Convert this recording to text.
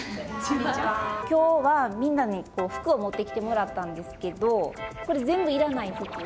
今日はみんなに服を持ってきてもらったんですけどこれ全部いらない服？